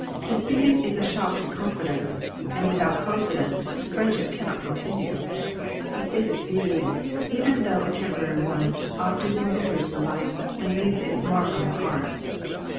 Disputing is a shock to con fidence, and without confidence friend ship cannot continue. A state of feud, even though a temporary one, often em bitters the life, and leaves its mark on the heart.